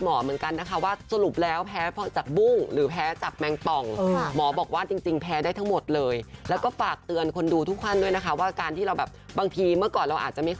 โอ้อ่าโอ้เนี่ยดนบุ้งป้ายนั่งเหลืออะไรก็ไม่รู้สักพักมันววม